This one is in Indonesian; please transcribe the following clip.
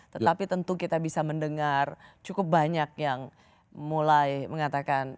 tetapi tentu kita bisa mendengar cukup banyak yang mulai mengatakan